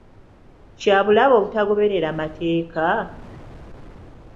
Kya bulabe obutagoberera mateeka?